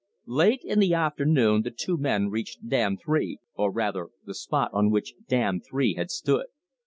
Late in the afternoon the two men reached Dam Three, or rather the spot on which Dam Three had stood.